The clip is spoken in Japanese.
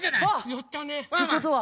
やったね！ってことは。